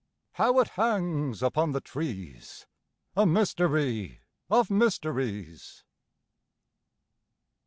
How it hangs upon the trees, A mystery of mysteries!